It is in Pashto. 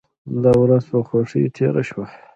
دا ورځ په خوښۍ تیره شوه.